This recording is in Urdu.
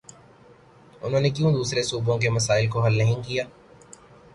انہوں نے کیوں دوسرے صوبوں کے مسائل کو حل نہیں کیا؟